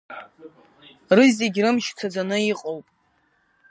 Рызегь рымч цаӡаны иҟоуп.